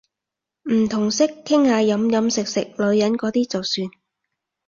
唔同色，傾下飲飲食食女人嗰啲就算